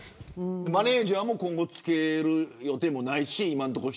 マネジャーも今後つける予定もないし。